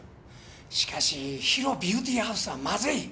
しかしＨＩＲＯビューティーハウスはまずい。